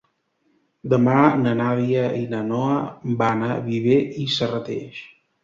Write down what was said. Demà na Nàdia i na Noa van a Viver i Serrateix.